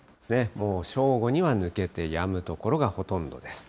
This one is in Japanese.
もう正午には抜けてやむ所がほとんどです。